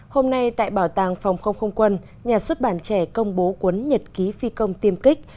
hôm nay tại bảo tàng phòng không không quân nhà xuất bản trẻ công bố quấn nhật ký phi công tiêm kích